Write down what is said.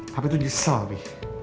papi tuh nyesel bi